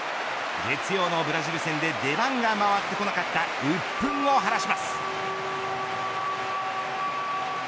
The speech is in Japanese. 月曜のブラジル戦で出番が回ってこなかった鬱憤を晴らします。